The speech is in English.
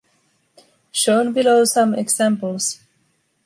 Shown below some examples.